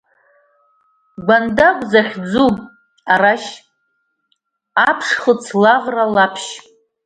Гьандагә захьӡу Арашь, аԥшхыц, Лаӷра, Лаԥшь!